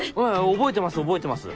覚えてます覚えてます。